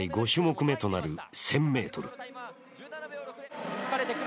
５種目めとなる１０００ｍ。